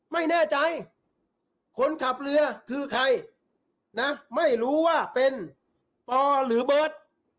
ไม่แน่ใจคนขับเรือคือใครนะไม่รู้ว่าเป็นปอหรือเบิร์ต